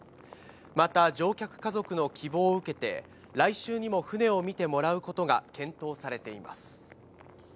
また、乗客家族の希望を受けて、来週にも船を見てもらうことが検討されています。